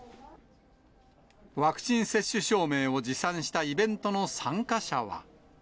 ワクチン接種証明を持参したイベントの参加者は。